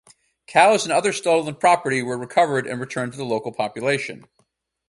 Cows and other stolen property were recovered and returned to the local population.